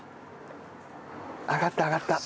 揚がった揚がった。